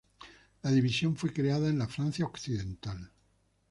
La división fue creada en la Francia Occidental.